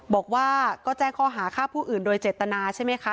บอกว่าก็แจ้งข้อหาฆ่าผู้อื่นโดยเจตนาใช่ไหมคะ